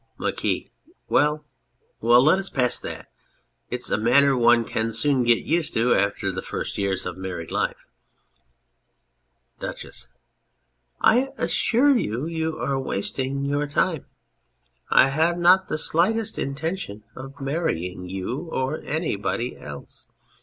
MARQUIS. Well, well, let us pass that : it is a matter one can soon get used to after the first years of married life. DUCHESS. I assure you, you are wasting your time. I have not the slightest intention of marrying you or anybody else.